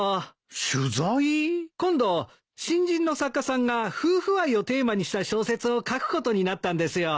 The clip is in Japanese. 今度新人の作家さんが夫婦愛をテーマにした小説を書くことになったんですよ。